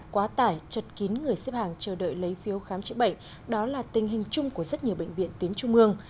quá tải chật kín người xếp hàng chờ đợi lấy phiếu khám chữa bệnh đó là tình hình chung của rất nhiều bệnh viện tuyến trung ương